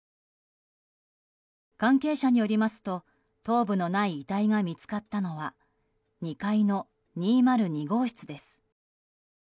関係者によりますと頭部のない遺体が見つかったのは２階の２０２号室です。